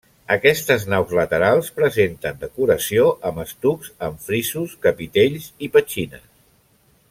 Aquestes naus laterals presenten decoració amb estucs en frisos, capitells i petxines.